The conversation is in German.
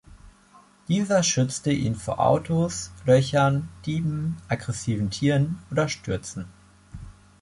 Dieser schützte ihn vor Autos, Löchern, Dieben, aggressiven Tieren, oder Stürzen.